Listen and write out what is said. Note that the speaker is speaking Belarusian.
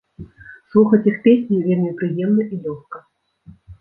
Слухаць іх песні вельмі прыемна і лёгка.